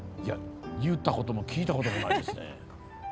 言ったことも聞いたこともないですね。